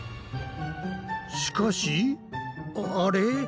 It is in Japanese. しかしあれ？